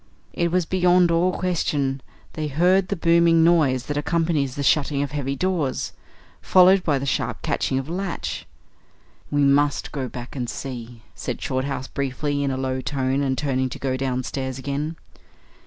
It was beyond all question; they heard the booming noise that accompanies the shutting of heavy doors, followed by the sharp catching of the latch. "We must go back and see," said Shorthouse briefly, in a low tone, and turning to go downstairs again.